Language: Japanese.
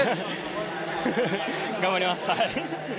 頑張ります！